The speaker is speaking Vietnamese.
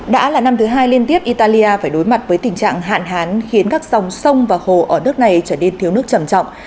đã là năm thứ hai liên tiếp italia phải đối mặt với tình trạng hạn hán khiến các dòng sông và hồ ở nước này trở nên thiếu nước trầm trọng